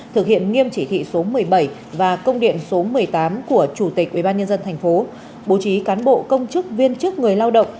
thực hiện nghiêm chỉ thị số một mươi bảy và công điện số một mươi tám của chủ tịch ubnd tp bố trí cán bộ công chức viên chức người lao động